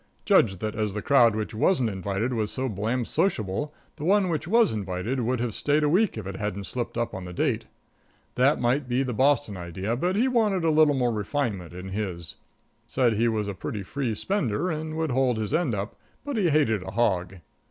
Judged that as the crowd which wasn't invited was so blamed sociable, the one which was invited would have stayed a week if it hadn't slipped up on the date. That might be the Boston idea, but he wanted a little more refinement in his. Said he was a pretty free spender, and would hold his end up, but he hated a hog.